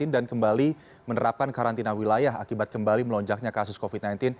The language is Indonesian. dan kembali menerapkan karantina wilayah akibat kembali melonjaknya kasus covid sembilan belas